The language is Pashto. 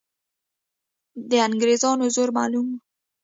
د انګریزانو زور معلوم وو.